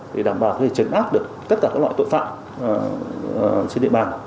để đảm bảo chấn áp được tất cả các loại tội phạm trên địa bàn